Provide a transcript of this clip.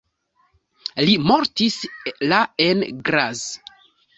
Li mortis la en Graz.